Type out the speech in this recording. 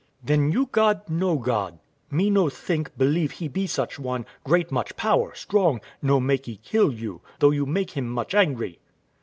Wife. Then you God no God; me no think, believe He be such one, great much power, strong: no makee kill you, though you make Him much angry.